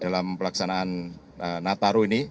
dalam pelaksanaan nataro ini